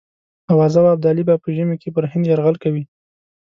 آوازه وه ابدالي به په ژمي کې پر هند یرغل کوي.